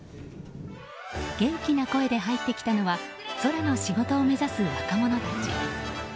元気な声で入ってきたのは空の仕事を目指す若者たち。